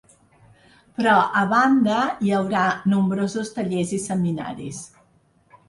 Però, a banda, hi haurà nombrosos tallers i seminaris.